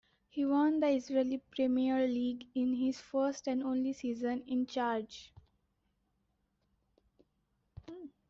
He won the Israeli Premier League in his first and only season in charge.